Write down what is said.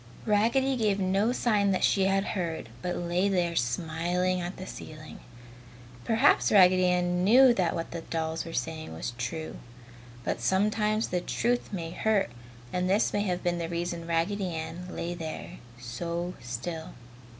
Raggedy gave no sign that she had heard, but lay there smiling at the ceiling. Perhaps Raggedy Ann knew that what the new dolls said was true. But sometimes the truth may hurt and this may have been the reason Raggedy Ann lay there so still.